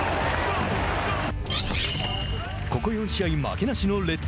ここ４試合負けなしのレッズ。